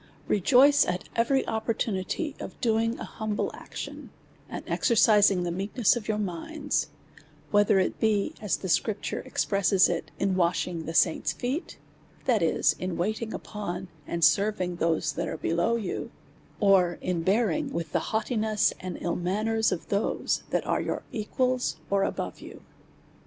Rejoice at every opportunity of doing an humble action, and exercising the meekness of your minds ; whether it be, as the Scripture expresses it, in wash ing the saints' feet, that is, in waiting upon, and serv ing those that are below you ; or in bearing with the haughtiness and ill manners of those that are your equals, or above you.